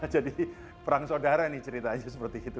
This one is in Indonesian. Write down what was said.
jadi perang saudara nih ceritanya seperti itu